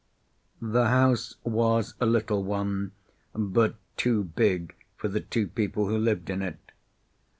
The house was a little one, but too big for the two people who lived in it.